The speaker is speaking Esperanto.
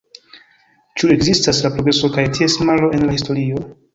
Ĉu ekzistas la progreso kaj ties malo en la historio?